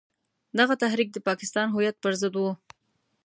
دغه تحریک د پاکستان هویت پر ضد وو.